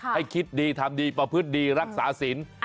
ให้คิดดีทำดีประพฤติดีรักษาศิลป์